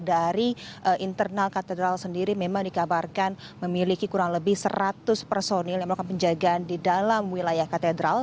dari internal katedral sendiri memang dikabarkan memiliki kurang lebih seratus personil yang melakukan penjagaan di dalam wilayah katedral